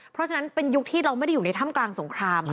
เพราะฉะนั้นเป็นยุคที่เราไม่ได้อยู่ในถ้ำกลางสงคราม